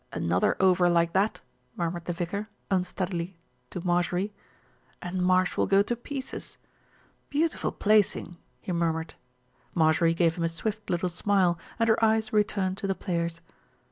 "Another over like that," murmured the vicar, un steadily to Marjorie, "and Marsh will go to pieces. Beautiful placing," he murmured. Marjorie gave him a swift little smile, and her eyes returned to the players.